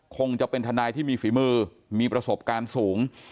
คงจะเป็นทนายที่มีฝีมือมีประสบการณ์สูง